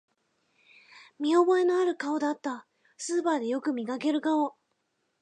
見覚えのある顔だった、スーパーでよく見かける顔